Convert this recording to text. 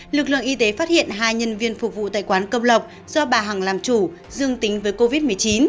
lực lượng y tế phát hiện hai nhân viên phục vụ tại quán công lộc do bà hằng làm chủ dương tính với covid một mươi chín